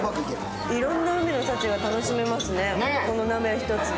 いろんな海の幸が楽しめますね、この鍋１つで。